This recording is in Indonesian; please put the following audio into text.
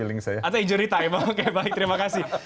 atau injury time oke baik terima kasih